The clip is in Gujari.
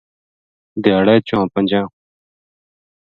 دھیاڑے چواں پنجاں